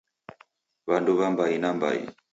W'anduwa mbai na mbai